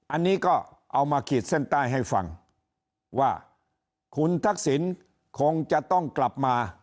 อันนี้ก็เอามาขีดเส้นใต้ให้ฟังว่าคุณทักษิณคงจะต้องกลับมา